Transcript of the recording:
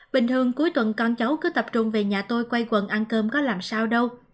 bình thường cuối tuần con cháu cứ tập trung về nhà tôi quay quần ăn cơm có làm sao đâu